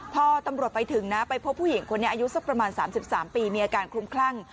พอตำรวจไปถึงนะไปพบผู้หญิงคนนี้อายุสักประมาณ๓๓ปีมีอาการคลุ้มคลั่ง